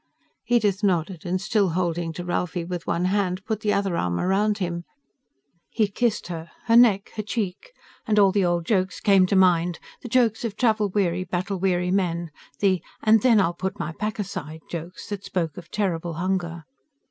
Edith nodded and, still holding to Ralphie with one hand, put the other arm around him. He kissed her her neck, her cheek and all the old jokes came to mind, the jokes of travel weary, battle weary men, the and then I'll put my pack aside jokes that spoke of terrible hunger.